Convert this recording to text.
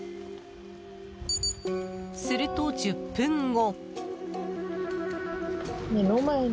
すると１０分後。